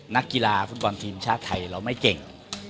นักกีฬาฟุตบอลทีมชาติไทยเราไม่เก่ง